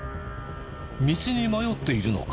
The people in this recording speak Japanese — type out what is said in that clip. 道に迷っているのか？